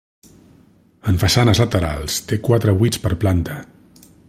En façanes laterals té quatre buits per planta.